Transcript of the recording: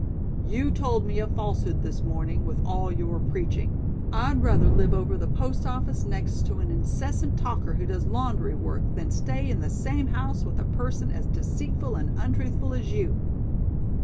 "You told me a falsehood this morning with all your preaching. I'd rather live over the post office next to an incessant talker who does laundry work than stay in the same house with a person as deceitful and untruthful as you.